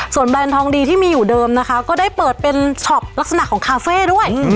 ส่วนแบรนด์ทองดีที่มีอยู่เดิมนะคะก็ได้เปิดเป็นช็อปลักษณะของคาเฟ่ด้วย